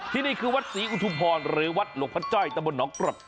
ที่นี่คือวัดศรีอุทุพรหรือวัดหลวงพระเจ้าให้ตะบนหนองกรับ